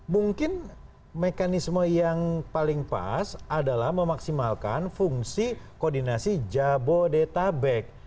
mungkin mekanisme yang paling pas adalah memaksimalkan fungsi koordinasi jabodetabek